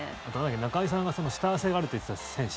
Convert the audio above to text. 中居さんがスター性があるって言っていた選手。